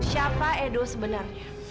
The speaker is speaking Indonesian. siapa edo sebenarnya